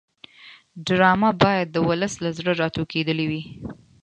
ډرامه باید د ولس له زړه راټوکېدلې وي